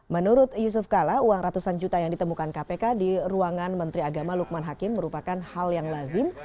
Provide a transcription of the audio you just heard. menurut yusuf kala uang ratusan juta yang ditemukan kpk di ruangan menteri agama lukman hakim merupakan hal yang lazim